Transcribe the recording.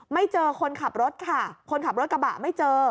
ไม่เจอคนขับรถค่ะคนขับรถกระบะไม่เจอ